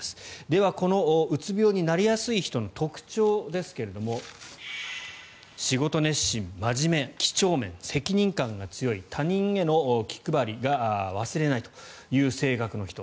では、このうつ病になりやすい人の特徴ですが仕事熱心、真面目、几帳面責任感が強い他人への気配りを忘れないという性格の人。